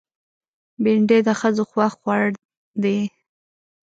بېنډۍ د ښځو خوښ خوړ دی